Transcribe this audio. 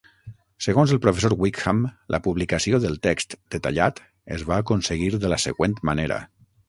Segons el professor Whigham, la publicació del text detallat es va aconseguir de la següent manera.